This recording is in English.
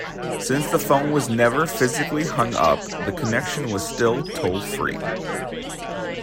Since the phone was never physically hung up, the connection was still toll-free.